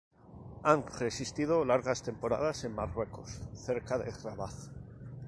Han residido largas temporadas en Marruecos, cerca de Rabat.